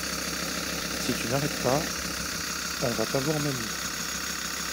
Si tu n'arrêtes pas, on va pas voir mamie.